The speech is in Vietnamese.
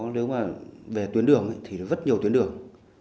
nếu mà về tuyến đường thì rất nhiều tuyến đường